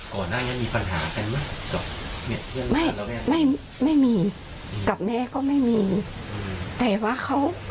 อ๋อหน้านี้มีปัญหาเป็นไหมกับเมียเที่ยงบ้านแล้วแม่